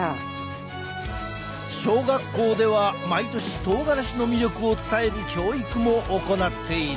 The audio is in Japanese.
小学校では毎年とうがらしの魅力を伝える教育も行っている。